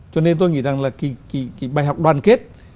cho nên tôi nghĩ rằng là cái bài học đoàn kết